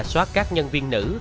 xóa các nhân viên nữ